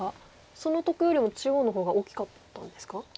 その得よりも中央の方が大きかったんですか？